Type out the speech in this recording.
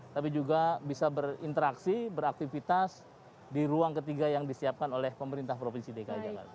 tapi juga bisa berinteraksi beraktivitas di ruang ketiga yang disiapkan oleh pemerintah provinsi dki jakarta